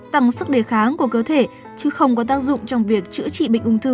tăng sức đề kháng của cơ thể chứ không có tác dụng trong việc chữa trị bệnh ung thư